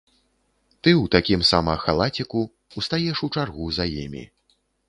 Ты ў такім сама халаціку ўстаеш у чаргу за імі.